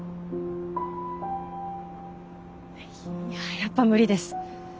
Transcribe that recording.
やっぱ無理です。